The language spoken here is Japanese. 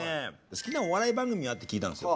好きなお笑い番組は？って聞いたんですよ。